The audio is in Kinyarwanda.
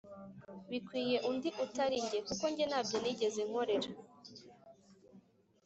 Bikwiye undi utari jye kuko njyewe ntabyo nigeze nkorera